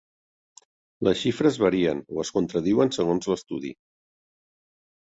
Les xifres varien o es contradiuen segons l'estudi.